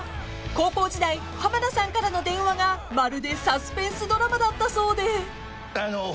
［高校時代浜田さんからの電話がまるでサスペンスドラマだったそうで］